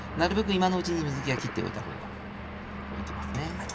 今のうちに水けは切っておいたほうがいきますね。